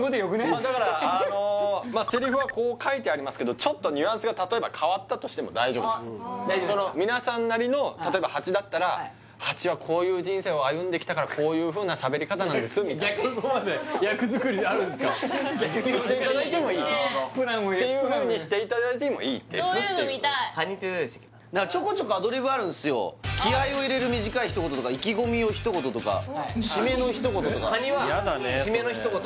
まあだからあのまあセリフはこう書いてありますけどちょっとニュアンスが例えば変わったとしても大丈夫です大丈夫ですか皆さんなりの例えばハチだったらハチはこういう人生を歩んできたからこういうふうなしゃべり方なんですみたいなしていただいてもいいっていうふうにしていただいてもいいっていうそういうの見たいちょこちょこアドリブあるんですよシメの一言とかカニはシメの一言